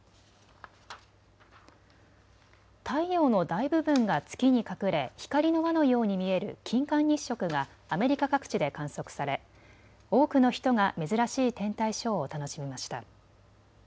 太陽の大部分が月に隠れ光の輪のように見える金環日食がアメリカ各地で観測され多くの人が珍しい天体ショーを楽しみました。